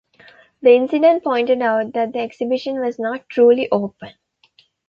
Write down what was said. The incident pointed out that the exhibition was not truly "open".